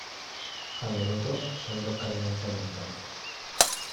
A menudo son localmente abundantes.